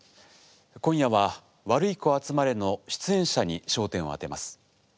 今夜は「ワルイコあつまれ」の出演者に焦点をあてます。